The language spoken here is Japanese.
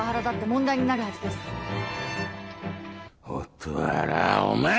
蛍原お前！